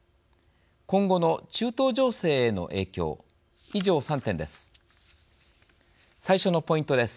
今後の中東情勢への影響以上、３点です。